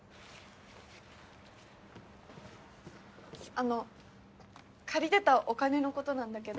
あの借りてたお金のことなんだけど。